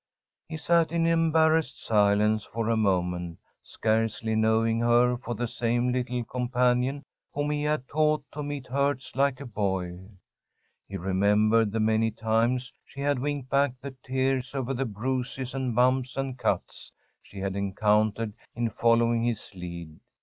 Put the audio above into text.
He sat in embarrassed silence for a moment, scarcely knowing her for the same little companion whom he had taught to meet hurts like a boy. He remembered the many times she had winked back the tears over the bruises and bumps and cuts she had encountered in following his lead.